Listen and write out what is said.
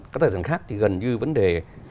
các tài sản khác thì gần như vấn đề